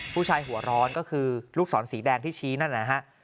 ผู้ชายหัวร้อนก็คือลูกสอนสีแดงที่ชี้นั่นนะฮะ